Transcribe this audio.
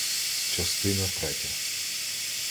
ЧАСТИНА ТРЕТЯ